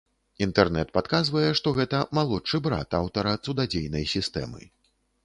Інтэрнэт падказвае, што гэта малодшы брат аўтара цудадзейнай сістэмы.